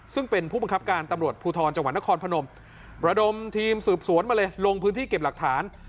ซึ่งเป็นผู้บังคับการตำรวจภูทรจังหวัดนครพนมระดมทีมสืบสวนมาเลยลงพื้นที่เก็บหลักฐาน